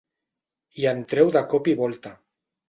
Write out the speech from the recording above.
Hi entreu de cop i volta.